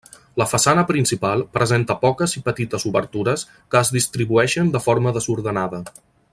La façana principal presenta poques i petites obertures que es distribueixen de forma desordenada.